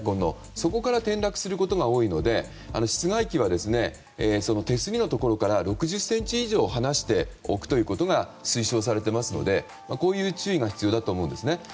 そこから転落することが多いので室外機は手すりのところから６０ｃｍ以上離して置くことが推奨されていますのでこういう注意が必要だと思います。